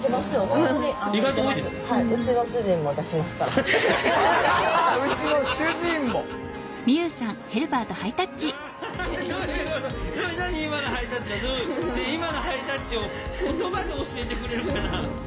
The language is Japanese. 今のハイタッチを言葉で教えてくれるかな？